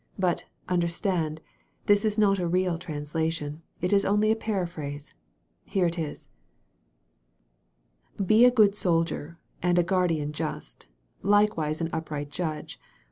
"But, under stand, this is not a real translation. It is only a paraphrase. Here it is: "Be a good soldier, and a guardian just; Likewise an upright judge.